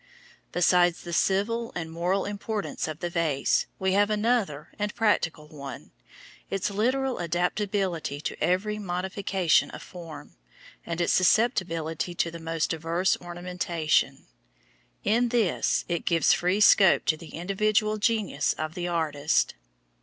Besides the civil and moral importance of the vase, we have another and practical one, its literal adaptability to every modification of form, and its susceptibility to the most diverse ornamentation; in this, it gives free scope to the individual genius of the artist.